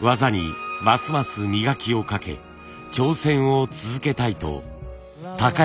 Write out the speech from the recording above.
技にますます磨きをかけ挑戦を続けたいと崇之さんは言います。